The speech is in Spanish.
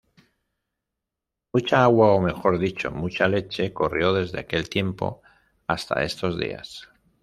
Mucha agua, ó mejor dicho, mucha leche corrió desde aquel tiempo hasta estos días.